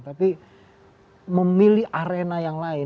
tapi memilih arena yang lain